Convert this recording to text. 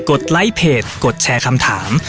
ดไลค์เพจกดแชร์คำถาม